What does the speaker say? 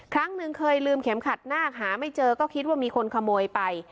ครั้งหนึ่งเคยลืมเข็มขัดนาคหาไม่เจอก็คิดว่ามีคนขโมยไป